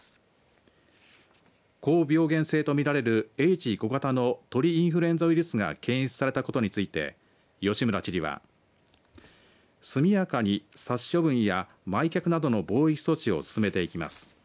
高病原性と見られるＨ５型の鳥インフルエンザウイルスが検出されたことについて吉村知事は速やかに殺処分や埋却などの防疫措置を進めていきます。